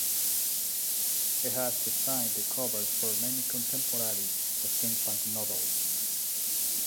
He has designed the covers for many contemporary Steampunk novels.